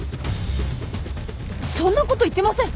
そんなこと言ってません。